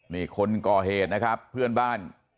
นี่คนก่อเหตุนะครับเพื่อนบ้าน